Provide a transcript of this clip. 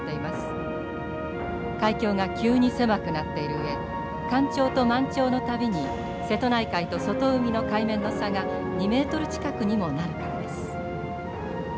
海峡が急に狭くなっているうえ干潮と満潮の度に瀬戸内海と外海の海面の差が２ｍ近くにもなるからです。